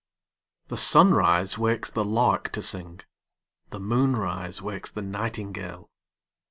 The sunrise wakes the lark to sing, The moonrise wakes the nightingale.